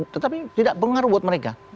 tetapi tidak pengaruh buat mereka